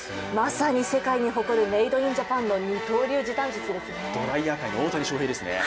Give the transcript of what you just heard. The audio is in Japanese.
まさに世界に誇るメイド・イン・ジャパンの二刀流時短術ですね。